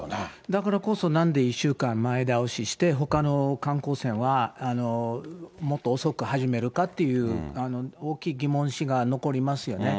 だからこそ、なんで１週間前倒しして、ほかの観光船は、もっと遅く始めるかっていう、大きい疑問視が残りますよね。